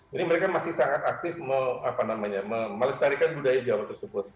jadi mereka masih sangat aktif melestarikan budaya jawa tersebut